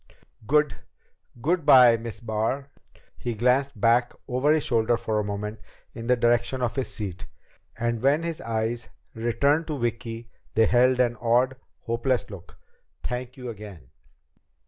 "Good good by, Miss Barr." He glanced back over his shoulder for a moment in the direction of his seat, and when his eyes returned to Vicki they held an odd, hopeless look. "Thank you again."